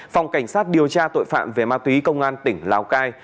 phòng cảnh sát điều tra tội phạm về ma túy công an tỉnh lào cai